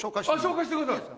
紹介してください。